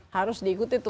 harus diikuti tuh pak ya